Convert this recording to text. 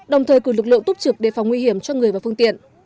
đồng thời cử lực lượng túc trực đề phòng nguy hiểm cho người và phương tiện